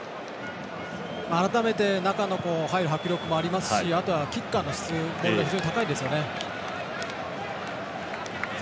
改めて中に入る迫力もありますしあとはキッカーの質が非常に高いですよね。